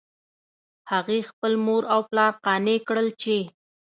هغې خپل مور او پلار قانع کړل چې